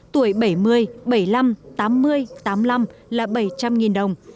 tuổi bảy mươi bảy mươi năm tám mươi tám mươi năm là bảy trăm linh đồng